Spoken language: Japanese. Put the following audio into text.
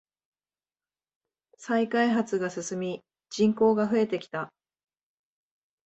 再開発が進み人口が増えてきた。